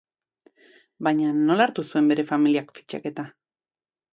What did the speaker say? Baina, nola hartu zuen bere familiak fitxaketa?